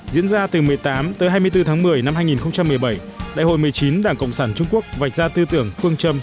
diễn ra từ một mươi tám tới hai mươi bốn tháng một mươi năm hai nghìn một mươi bảy đại hội một mươi chín đảng cộng sản trung quốc vạch ra tư tưởng phương châm